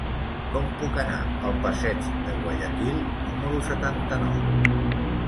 Com puc anar al passeig de Guayaquil número setanta-nou?